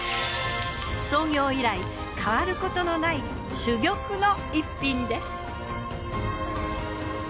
創業以来変わることのない珠玉の逸品です。